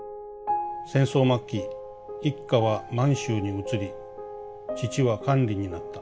戦争末期一家は満州に移り父は官吏になった。